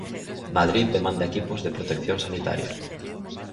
Madrid demanda equipos de protección sanitaria.